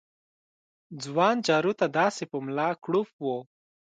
ځوان جارو ته داسې په ملا کړوپ و